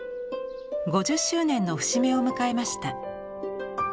５０周年の節目を迎えました。